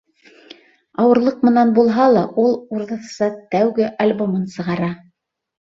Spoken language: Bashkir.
Ауырлыҡ менән булһа ла, ул урыҫса тәүге альбомын сығара.